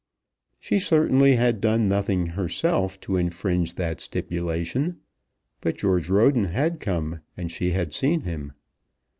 She certainly had done nothing herself to infringe that stipulation; but George Roden had come, and she had seen him.